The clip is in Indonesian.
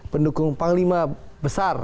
pendukung panglima besar